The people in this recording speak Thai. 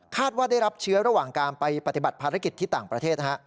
ว่าได้รับเชื้อระหว่างการไปปฏิบัติภารกิจที่ต่างประเทศ